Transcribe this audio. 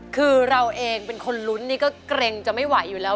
คือเราเองเป็นคนลุ้นนี่ก็เกรงจะไม่ไหวอยู่แล้ว